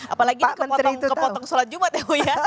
apalagi ini kepotong kepotong sulat jumat ya bu ya